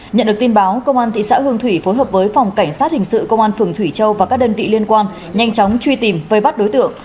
nhận được tin báo công an thị xã hương thủy phối hợp với phòng cảnh sát hình sự công an phường thủy châu và các đơn vị liên quan nhanh chóng truy tìm vây bắt đối tượng